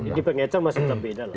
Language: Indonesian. di pengecar masih beda lah